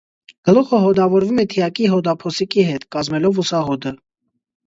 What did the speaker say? Գլուխը հոդավորվում է թիակի հոդափոսիկի հետ՝ կազմելով ուսահոդը։